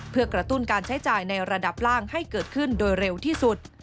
เพื่อกระตุ้นการใช้จ่ายในระดับล่างให้เกิดขึ้นโดยเร็วที่สุด